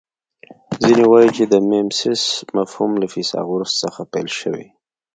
ځینې وايي چې د میمیسیس مفهوم له فیثاغورث څخه پیل شوی